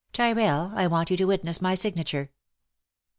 " Tyrrell, I want you to witness my signature."